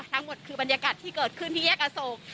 ทั้งหมดคือบรรยากาศที่เกิดขึ้นที่แยกอโศก